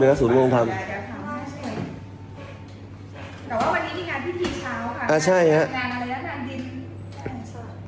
เนี้ยสูตรโรงทำแต่ว่าวันนี้มีงานพิธีเช้าค่ะอ่าใช่ฮะ